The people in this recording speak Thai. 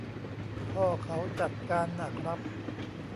พ่อเขาจัดการน่ะครับ